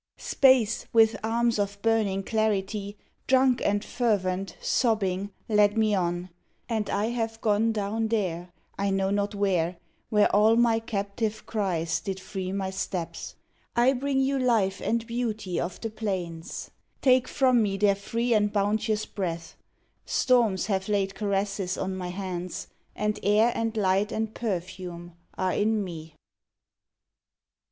Space, with arms of burning clarity, Drunk and fervent, sobbing, led me on, And I have gone down there I know not where Where all my captive cries did free my steps; I bring you life and beauty of the plains; Take from me their free and bounteous breath; Storms have laid caresses on my hands, And air and light and perfume are in me.